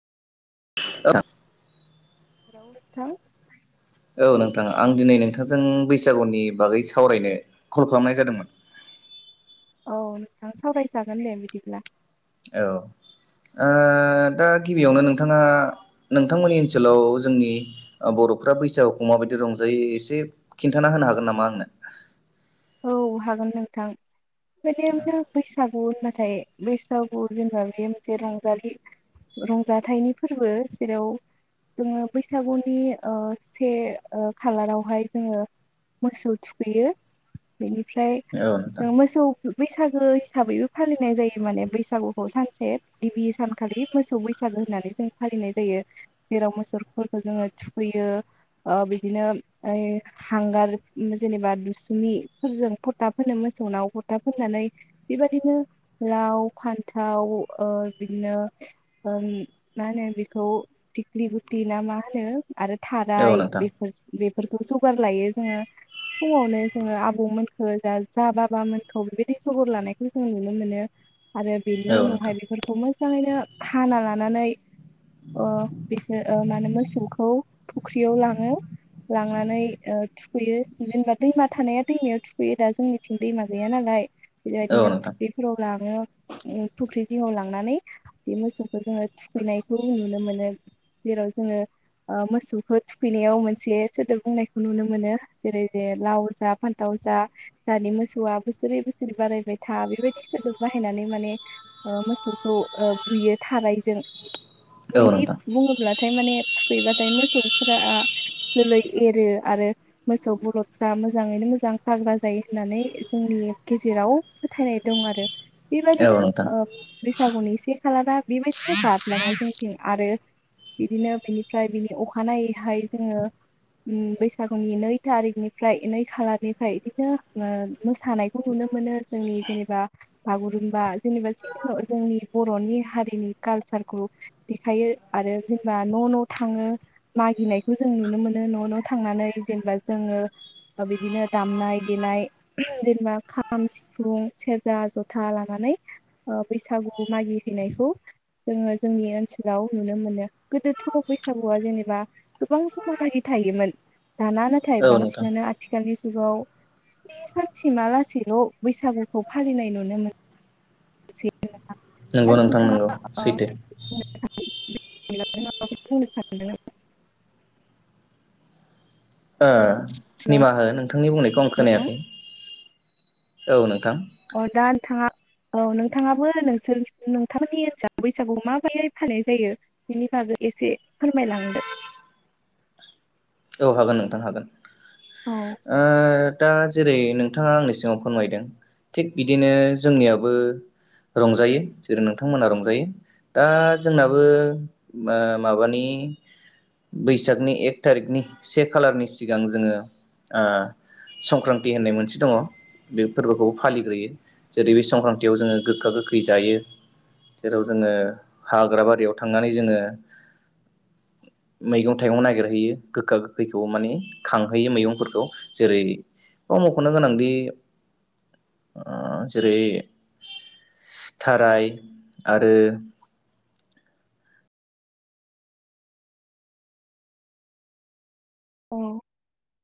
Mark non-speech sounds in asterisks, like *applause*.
औ हेलौ नोंथां औ नोंथां आं दिनै नोंथांजों बैसागुनि बागै सावरायनो कल खालामनाय जादोंमोन। औ नोंथां सावरायजागोन दे बिदिब्ला औ ओ दा गिबियावनो नोंथाङा नोंथांमोननि ओनसोलाव जोंनि बर'फ्रा बैसागुखौ माबायदि रंजायो एसे खिन्थाना होनो हागोन नामा आंनो? औ हागोन नोंथां बेबादिनो बैसाग नाथाय बैसागु जोंहा बे मोनसे रंजालि रंजाथाइनि फोरबो जेराव जोङो बैसागुनि ओ से ओ खालारावहाय जोङो मोसौ थुखैयो। बेनि फ्राय औ नोंथां जों मोसौ बैसागो हिसाबैबो फालिनाय जायो माने बैसागुखौ सानसे गिबि सानखालि मोसौ बैसागो होननानै जों फालिनाय जायो जेराव मोसौफोरखौ जोङो थुखैयो ओ बिदिनो हांगार जेनेबा दुस सुनिफोरजों फोथा फोनो मोसौनाव फोथा फोननानै बेबायदिनो लाव फान्थाव ओ बिदिनो ओम मा होनो बेखौ दिगलि गुथि ना मा होनो आरो औ थाराय नोंथां बेफोरजो बे फोरखौ जगार लायो जोङो फुङावनो जोङो आबौमोनखौ जोंहा जा बाबामोनखौ बेबायदि खबर लानायखौ जों नुनो मोनो। आरो बेनि उनावहाय औ बेफोरखौ मोजाङैनो हाना लानानै ओ बिसोर मा होनो मोसौखौ फुख्रियाव लाङो लांनानै ओ थु खैयो जेनेबा दैमा थानाया दैमायाव थुखैयो दा जोंनिथिं दैमा गैया नालाय बिदिनो नोंथां फ प्रग *unintelligible* फुख्रि जिङाव लांनानै बे मोसौ जोङो थुखैनायखौ नुनो मोनो जेराव जोङो ओ मोसौखौ थुखैनायाव मोनसे सोदोब बुंनायखौ नुनो मोनो जेरै जे लाव जा फानथाव जा जाहानि मोसौआ बोसोरै बोसोरै बारायबाय था बेबायदि सोदोब बाहायनानै माने मोसौखौ बुयो थानायजों औ नोंथां औ बिदि नोंथां बुंङोब्ला हाथाय माने थुखैबाथाय मोसौफोरा जोलै एरो आरो मोसौ बलदफोरा मोजाङैनो मोजां थाग्रा जायो होननानै जोंनि गेजेराव फोथायनाय दं आरो औ बेबायदिनो नोंथां ओ बैसागुनि से खालारा बेबायदिनो बारलाङो जोंथिं आरो बिदिनो बिनिफ्राय बिनि अखानायैहाय जोङो बैसागुनिओ नै थारिखनिफ्रा नै खालारनिफ्राय बिदिनो मोसानायखौ नुनो मोनो जोंनि जेनेबा बागुरुम्बा जेनेबा जोंनि बर'नि हारिनि कालसारखौ देखायो आरो जेनेबा न' न' थाङो मागिनायखौ जों नुनो मोनो न' न' थांनानै जेनेबा जोङो बिदिनो दामनाय-देनाय जेनेबा खाम, सिफुं, सेरजा, जथा लानानै बैसागु मागि हैनायखौ जोङो जोंनि ओनसोलाव नुनो मोनो गोदोथ' बैसागुया जेनेबा गोबां समसिम थायोमोन दाना नाथाय औ नोंथां बांसिनानो आ नि जुगाव स्नि सानसिमालासेल' बैसागुखौ फालिनाय नुनो मोनो नुसै नोंथां नंगौ नोंथां नोंगौ सैथो *unintelligible* माबाफोर बुंनो सानदों ओ हेल' निमाहा हो नोंथांनि बुंनायखौ आं नोंथां खोनायाखै औ नोंथां अ दा नोंथाङा औ नोंथाङाबो नोंसोर नोंथांमोननि ओनसोलाव बैसागु माबायै फालिनाय जायो बेनि बागै एसे फोरमायलांदो। औ हागोन नोंथां हागोन औ ओ दा जेरै नोंथाङा आंनि सिगाव फोरमायदों थिग बिदिनो जोंनियाबो रंजायो जेरै नोंथांमोनहा रंजायो दा जोंनाबो माबानि बैसागनि एक थारिकनि से खालारनि सिगां जोङो ओ संक्रान्ति होननाय मोनसे दङ बे फोरबोखौ फालिग्रोयो जेरै बे संक्रान्तियाव जोङो गोखा गोखै जायो जेराव जोङो हाग्रा बारियाव थांनानै जोङो मैगं थाइगं नागिरहैयो गोखा गोखैखौ माने खांहैयो मैगंफोरखौ जेरै बा मख'नो गोनांदि जेरै थाराय आरो औ